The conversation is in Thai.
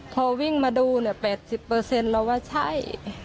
พอวิ่งมาดู๘๐เราว่าใช่